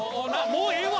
もうええわ！